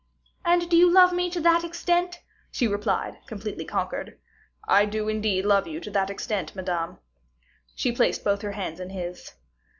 "And do you love me to that extent?" she replied, completely conquered. "I do indeed love you to that extent, Madame." She placed both her hands in his.